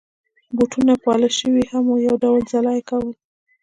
بوټونه پالش شوي هم وو چې یو ډول ځلا يې کول.